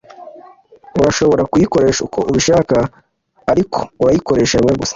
Urashobora kuyikoresha uko ubishaka, ariko urayikoresha rimwe gusa. ”